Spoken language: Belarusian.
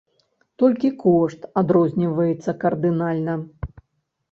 Толькі кошт адрозніваецца кардынальна.